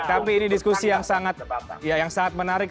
tapi ini diskusi yang sangat menarik